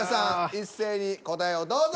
一斉に答えをどうぞ。